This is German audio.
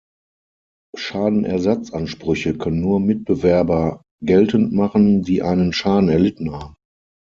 Schadenersatzansprüche können nur Mitbewerber geltend machen, die einen Schaden erlitten haben.